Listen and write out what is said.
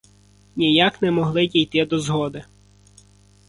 Ніяк не могли дійти до згоди.